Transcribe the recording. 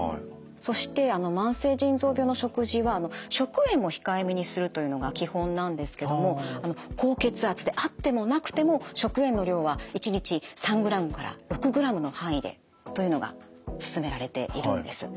そして慢性腎臓病の食事は食塩も控えめにするというのが基本なんですけども高血圧であってもなくても食塩の量は１日３ｇから６ｇの範囲でというのがすすめられているんです。